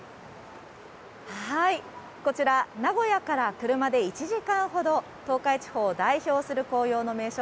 こちら、名古屋から車で１時間ほど東海地方を代表する紅葉の名所